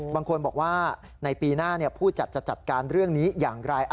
บางคนบอกว่าในปีหน้าผู้จัดจะจัดการเรื่องนี้อย่างไร